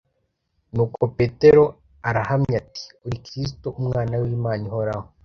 Nuko Petero arahamya ati: "Uri Kristo Umwana w'Imana ihoraho."